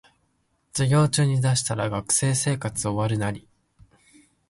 授業中に出したら学生生活終わるナリ